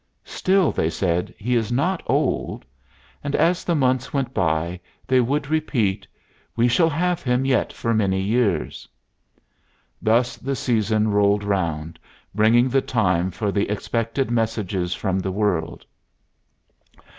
"Still," they said, "he is not old." And as the months went by they would repeat: "We shall have him yet for many years." Thus the season rolled round, bringing the time for the expected messages from the world.